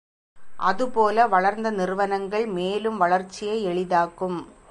அதுபோல வளர்ந்த நிறுவனங்கள் மேலும் வளர்ச்சியை எளிதாக்கும்.